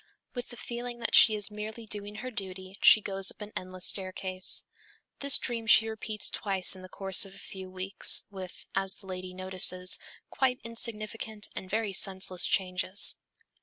"With the feeling that she is merely doing her duty, she goes up an endless staircase." This dream she repeats twice in the course of a few weeks, with as the lady notices quite insignificant and very senseless changes.